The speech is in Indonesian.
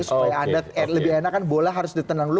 supaya anda lebih enakan bola harus ditenang dulu